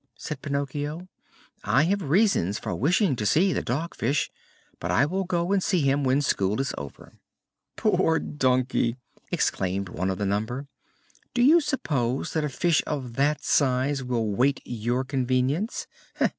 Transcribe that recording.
said Pinocchio. "I have reasons for wishing to see the Dog Fish, but I will go and see him when school is over." "Poor donkey!" exclaimed one of the number. "Do you suppose that a fish of that size will wait your convenience?